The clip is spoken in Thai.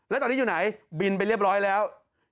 แล้วตอนนี้อยู่ไหนบินไปเรียบร้อยแล้ว